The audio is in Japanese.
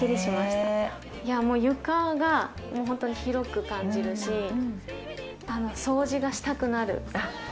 もう床がホント広く感じるし、掃除がしたくなる。